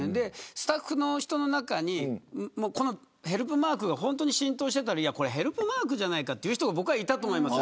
スタッフの人の中にヘルプマークが本当に浸透していたらこれヘルプマークじゃないかと言った人もいたと思います。